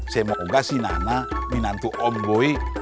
semoga si nana minantu om boy